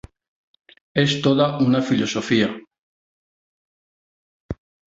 Es toda una filosofía.